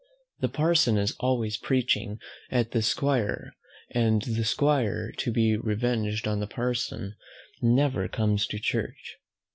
The parson is always preaching at the 'squire, and the 'squire to be revenged on the parson never comes to church.